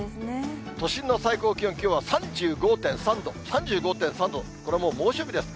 都心の最高気温、きょうは３５．３度、３５．３度、これもう、猛暑日です。